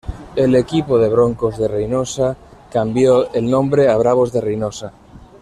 El equipo de Broncos de Reynosa cambió el nombre a Bravos de Reynosa.